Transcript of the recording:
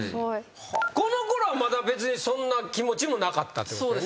このころはまだ別にそんな気持ちもなかったってことやんね？